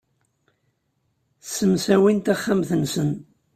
Ssemsawin taxxamt-nsen.